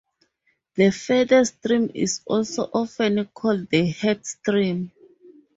The furthest stream is also often called the headstream.